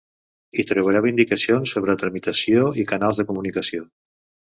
Hi trobareu indicacions sobre tramitació i canals de comunicació.